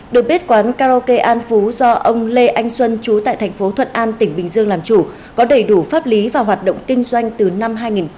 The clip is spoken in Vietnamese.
đội bếp quán karaoke an phú do ông lê anh xuân trú tại tp thuận an tỉnh bình dương làm chủ có đầy đủ pháp lý và hoạt động kinh doanh từ năm hai nghìn một mươi sáu